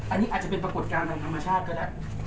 อันนี้อาจจะเป็นปรากฏการณ์ทางธรรมชาติก็ได้